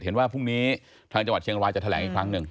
เห็นว่าพรุ่งนี้ทางจังหวัดเชียงรายจะแถลงอีกครั้งหนึ่ง